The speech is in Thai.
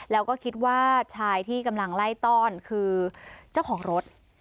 แล้วก็คิดว่าชายที่กำลังไล่ต้อนคือเจ้าของรถ